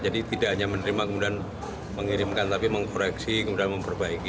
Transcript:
jadi tidak hanya menerima kemudian mengirimkan tapi mengkoreksi kemudian memperbaiki